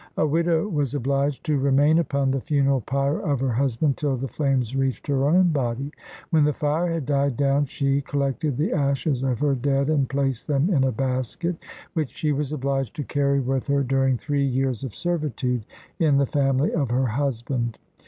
A widow was obliged to remain upon the funeral pyre of her husband till the flames reached her own body. When the fire had died down she collected the ashes of her dead and placed them in a basket, which she was obliged to carry with her during three years of servitude in the family of her husband.